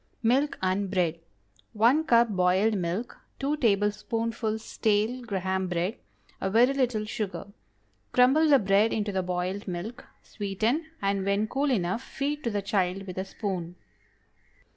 MILK AND BREAD. ✠ 1 cup boiled milk. 2 tablespoonfuls stale Graham bread. A very little sugar. Crumble the bread into the boiled milk, sweeten, and when cool enough, feed to the child with a spoon.